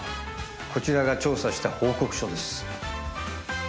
こちらが調査した報告書です